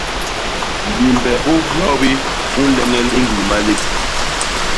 Mbimbe u hyobi u nleñel i ñgii malép.